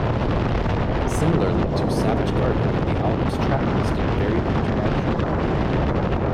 Similarly to "Savage Garden", the album's track listing varied internationally.